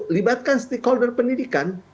libatkan stakeholder pendidikan